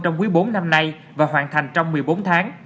trong quý bốn năm nay và hoàn thành trong một mươi bốn tháng